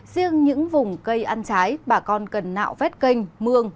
riêng những vùng cây ăn trái bà con cần nạo vét canh mương